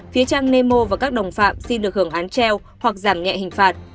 phía trang nemo và các đồng phạm xin được hưởng án treo hoặc giảm nhẹ hình phạt